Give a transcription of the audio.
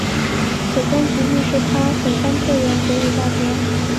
此专辑亦是他首张个人国语大碟。